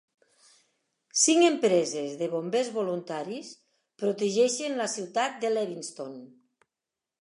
Cinc empreses de bombers voluntaris protegeixen la ciutat de Lewiston.